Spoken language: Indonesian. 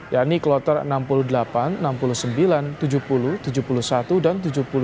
yakni kloter enam puluh delapan enam puluh sembilan tujuh puluh tujuh puluh satu dan tujuh puluh lima